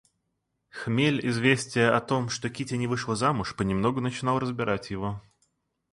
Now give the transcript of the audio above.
Хмель известия о том, что Кити не вышла замуж, понемногу начинал разбирать его.